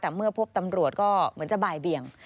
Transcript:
แต่เมื่อพบตำรวจก็เหมือนจะบ่ายเบียง